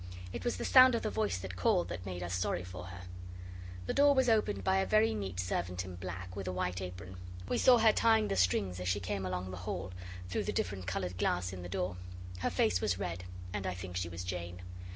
It was the sound of the voice that called that made us sorry for her. The door was opened by a very neat servant in black, with a white apron; we saw her tying the strings as she came along the hall, through the different coloured glass in the door. Her face was red, and I think she was Jane.